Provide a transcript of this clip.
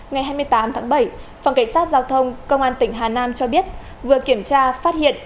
ngày hai mươi tám tháng bảy phòng cảnh sát giao thông công an tỉnh hà nam cho biết vừa kiểm tra phát hiện